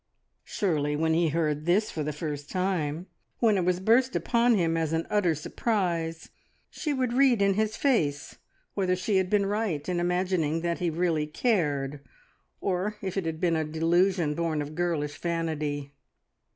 Surely when he heard this for the first time, when it was burst upon him as an utter surprise, she would read in his face whether she had been right in imagining that he really "cared," or if it had been a delusion born of girlish vanity.